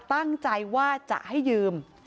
ตั้งใจว่าจะให้ยืม